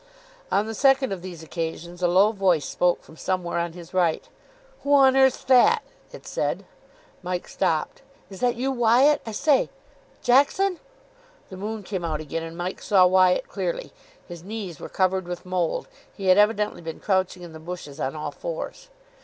On the second of these occasions a low voice spoke from somewhere on his right. "Who on earth's that?" it said. Mike stopped. "Is that you, Wyatt? I say " "Jackson!" The moon came out again, and Mike saw Wyatt clearly. His knees were covered with mould. He had evidently been crouching in the bushes on all fours.